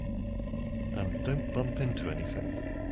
And don't bump into anything.